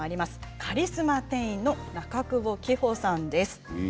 カリスマ店員の中久保希穂さんです。